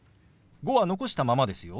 「５」は残したままですよ。